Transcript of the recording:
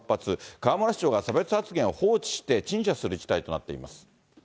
河村市長が差別発言を放置して陳謝する事態となっています。